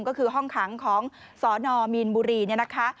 ก็คือห้องขังของสนมีนบุรีเนี่ยนะคะ